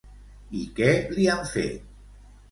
I què li han fet?